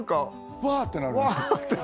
わっ！ってなる。